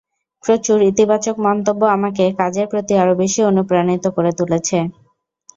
প্রচুর ইতিবাচক মন্তব্য আমাকে কাজের প্রতি আরও বেশি অনুপ্রাণিত করে তুলছে।